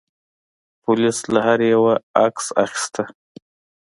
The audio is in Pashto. پولیس له هر یوه عکس اخیسته.